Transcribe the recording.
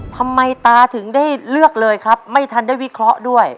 ทำไมตาถึงได้เลือกเลยครับไม่ทันได้วิเคราะห์ด้วย